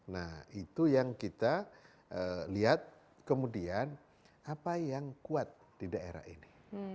nah itu yang kita lihat kemudian apa yang kuat di daerah ini